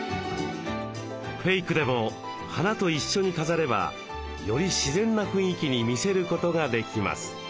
フェイクでも花と一緒に飾ればより自然な雰囲気に見せることができます。